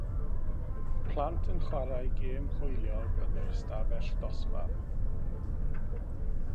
Plant yn chwarae gêm hwyliog yn yr ystafell ddosbarth